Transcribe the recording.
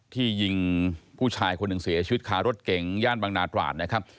ที่ยิงผู้ชายคนหนึ่งเสียชีวิตค้ารถเก๋งย่านบางนาตราดนะครับ